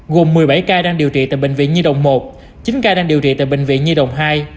gồm một mươi bảy ca đang điều trị tại bệnh viện nhi đồng một chín ca đang điều trị tại bệnh viện nhi đồng hai